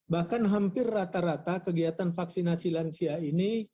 bahkan hampir rata rata kegiatan vaksinasi lansia ini